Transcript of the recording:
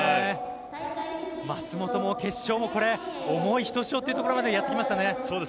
舛本も決勝も思いひとしおというところまでやってきました。